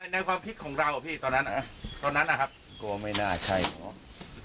ทรัพย์ที่ปฏิษณีเอง